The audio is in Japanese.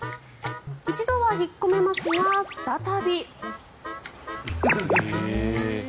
一度は引っ込めますが、再び。